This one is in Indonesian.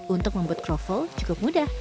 untuk membuat kroffel cukup mudah